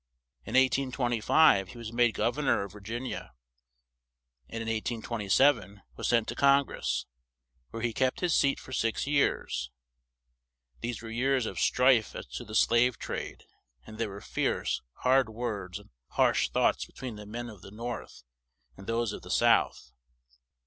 In 1825 he was made Gov ern or of Vir gin i a; and in 1827, was sent to Con gress, where he kept his seat for six years; these were years of strife as to the slave trade, and there were fierce, hard words and harsh thoughts be tween the men of the North and those of the South.